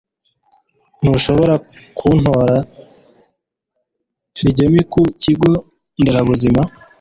ntushobora kuntora shigemi ku kigo nderabuzima